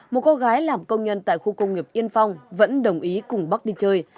một cô gái làm công nhân tại khu công nghiệp yên phong vẫn đồng ý cùng bắc đi chơi